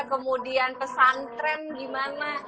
kemudian pesantren gimana